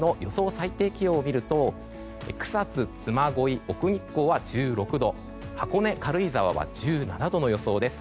最低気温を見ると草津、嬬恋、奥日光は１６度箱根、軽井沢は１７度の予想です。